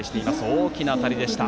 大きな当たりでした。